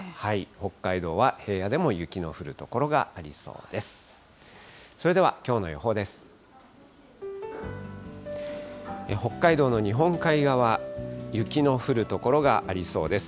北海道の日本海側、雪の降る所がありそうです。